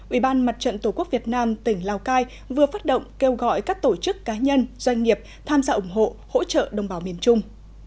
ủy ban mặt trận tổ quốc việt nam tỉnh lào cai vừa phát động kêu gọi các tổ chức cá nhân doanh nghiệp tham gia ủng hộ hỗ trợ đồng bào miền trung